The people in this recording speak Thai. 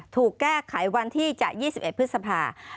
ถูกแก้ไขวันที่จะ๒๑พฤษภา